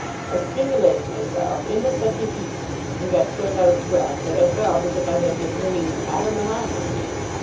I stimulated myself into such a heat, and got so out of breath, that I felt as if I had been earning I don't know how much.